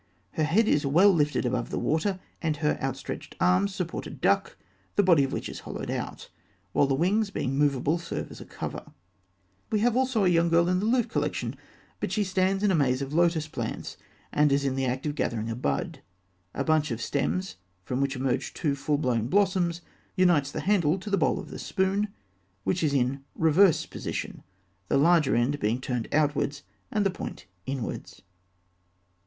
249). Her head is well lifted above the water, and her outstretched arms support a duck, the body of which is hollowed out, while the wings, being movable, serve as a cover. We have also a young girl in the Louvre collection, but she stands in a maze of lotus plants (fig. 250), and is in the act of gathering a bud. A bunch of stems, from which emerge two full blown blossoms, unites the handle to the bowl of the spoon, which is in reverse position, the larger end being turned outwards and the point inwards.